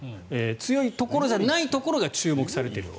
強いところじゃないところが注目されている。